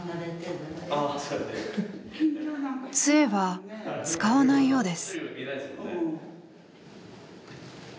杖は使わないようです。